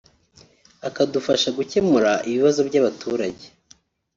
akazadufasha gukemura ibibazo by’abaturage